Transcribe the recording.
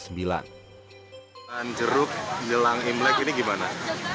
bahan jeruk jelang imlek ini gimana